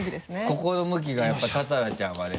ここの向きがやっぱ多々良ちゃんはね